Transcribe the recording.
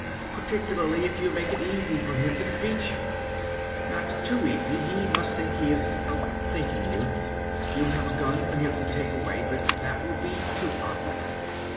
Particularly if you make it easy for him to defeat you. Not too easy he must feel he is outthinking you. You'll have a gun for him to take away, but that will be too obvious.